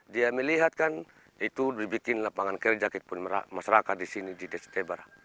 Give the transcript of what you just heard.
dia melihatkan itu dibikin lapangan kerja ke masyarakat di sini di desa tebara